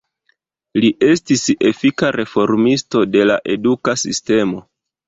Li estis efika reformisto de la eduka sistemo.